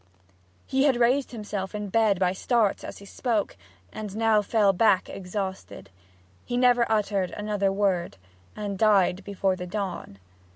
He had raised himself in bed by starts as he spoke, and now fell back exhausted. He never uttered another word, and died before the dawn.